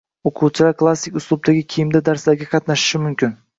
O‘quvchilar klassik uslubdagi kiyimda darslarga qatnashishi mumkin